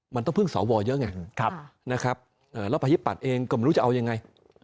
มันต้องเพิ่งเสาอุวอย่างเงี่ยนะครับแล้วไผัดปัดเองก็ไม่รู้ว่าจะเอายังไง